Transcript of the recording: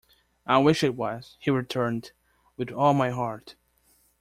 "I wish it was," he returned, "with all my heart."